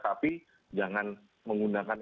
tapi jangan menggunakan